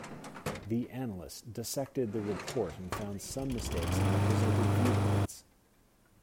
The analyst dissected the report and found some mistakes in the presented viewpoints.